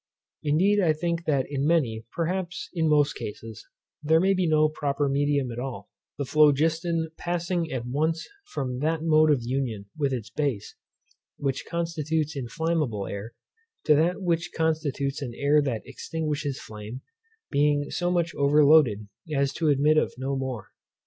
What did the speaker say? Indeed I think that in many, perhaps in most cases, there may be no proper medium at all, the phlogiston passing at once from that mode of union with its base which constitutes inflammable air, to that which constitutes an air that extinguishes flame, being so much overloaded as to admit of no more.